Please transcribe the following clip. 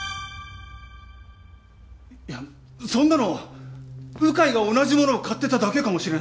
いやそんなの鵜飼が同じものを買ってただけかもしれないじゃないですか。